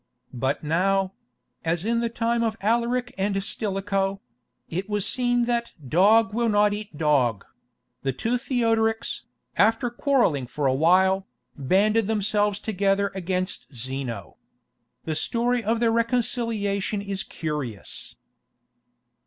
But now—as in the time of Alaric and Stilicho—it was seen that "dog will not eat dog"; the two Theodorics, after quarrelling for a while, banded themselves together against Zeno. The story of their reconciliation is curious.